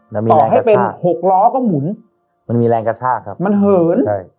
ต่อให้เป็น๖ล้อก็หมุนมันเหิน